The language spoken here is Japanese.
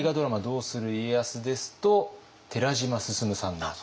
「どうする家康」ですと寺島進さんが。